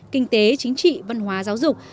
kinh tế chính trị văn hóa giáo dục